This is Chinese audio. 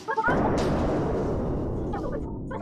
但另一个独立进行的重新研究则未能有相同的发现。